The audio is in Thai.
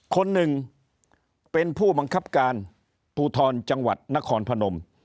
คนหนึ่งเป็นผู้บังคับการภูทรจังหวัดนครพนม